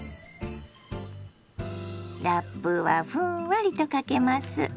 ラップはふんわりとかけます。